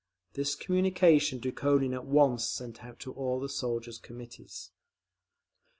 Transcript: This communication Dukhonin at once sent out to all the soldiers' Committees….